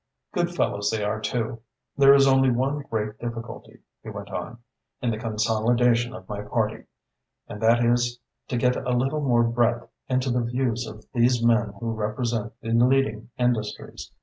Good fellows they are, too. There is only one great difficulty," he went on, "in the consolidation of my party, and that is to get a little more breadth into the views of these men who represent the leading industries.